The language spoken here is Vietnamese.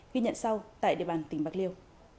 ghi nhận sau tại địa bàn tỉnh bạc liêu